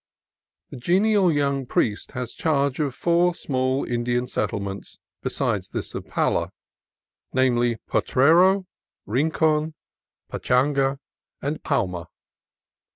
The genial young priest has charge of four small Indian settle ments beside this of Pala, namely, Potrero, Rincon, Pachanga, and Pauma.